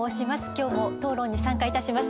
今日も討論に参加いたします。